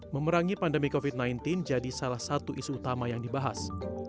memerangi pandemi covid sembilan belas jadi salah satu isu utama yang dibahas